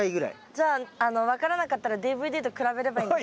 じゃあ分からなかったらＤＶＤと比べればいいんですね。